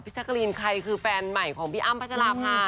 พี่ชะกรีนใครคือแฟนใหม่ของพี่อ้ำพจราบค่ะ